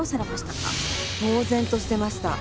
呆然としてました。